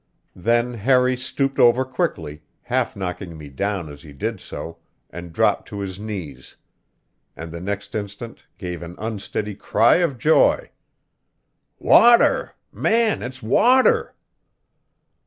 Then Harry stooped over quickly, half knocking me down as he did so, and dropped to his knees; and the next instant gave an unsteady cry of joy: "Water! Man, it's water!"